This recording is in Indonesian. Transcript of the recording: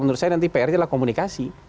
menurut saya nanti pr nya adalah komunikasi